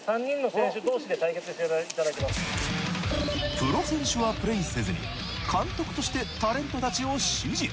プロ選手はプレイせずに監督としてタレントたちを指示。